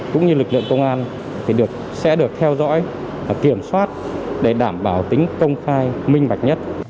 cũng như lực lượng công an sẽ được theo dõi kiểm soát để đảm bảo tính công khai minh bạch nhất